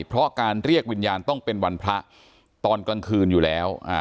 เพราะการเรียกวิญญาณต้องเป็นวันพระตอนกลางคืนอยู่แล้ว